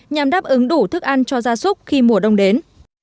nhằm đáp ứng đủ thức ăn cho gia súc khi mùa đông đến